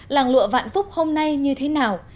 làng lụa vạn phúc hôm nay như thế nào